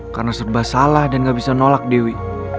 karena serba salah dan gak bisa nolak dewi